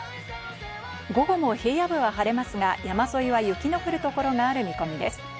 午後も平野部は晴れますが、山沿いは雪の降る所がある見込みです。